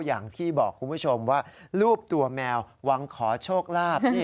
อย่างที่บอกคุณผู้ชมว่ารูปตัวแมวหวังขอโชคลาภ